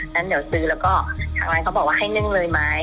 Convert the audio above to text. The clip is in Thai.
งั้นเดี๋ยวซื้อแล้วก็ทางร้านเขาบอกว่าให้นึ่งเลยไหม